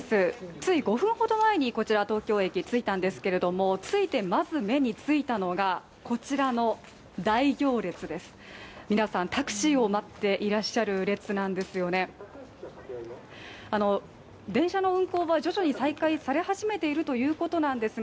つい５分ほど前にこちら東京駅着いたんですけれどもついてまず目についたのがこちらの大行列です